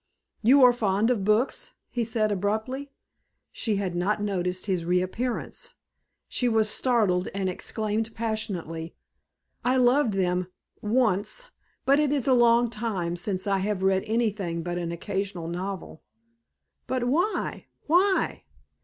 "You are fond of books!" he said abruptly. She had not noticed his reappearance. She was startled and exclaimed passionately, "I loved them once! But it is a long time since I have read anything but an occasional novel." "But why? Why?"